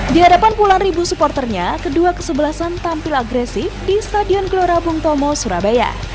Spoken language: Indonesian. di hadapan puluhan ribu supporternya kedua kesebelasan tampil agresif di stadion gelora bung tomo surabaya